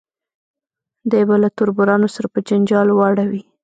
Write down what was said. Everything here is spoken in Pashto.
دی به له تربورانو سره په جنجال واړوي.